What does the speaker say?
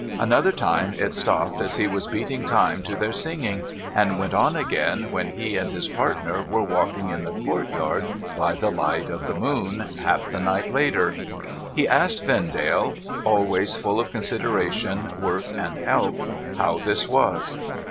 Another time, it stopped as he was beating time to their singing, and went on again when he and his partner were walking in the courtyard by the light of the moon, half the night later. He asked Vendale (always full of consideration, work, and help) how this was